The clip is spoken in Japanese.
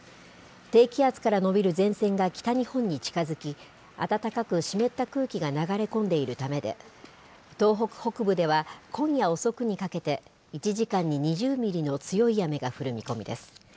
低気圧から延びる前線が北日本に近づき、暖かく湿った空気が流れ込んでいるためで、東北北部では、今夜遅くにかけて１時間に２０ミリの強い雨が降る見込みです。